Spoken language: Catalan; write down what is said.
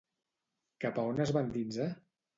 Cap a on es va endinsar?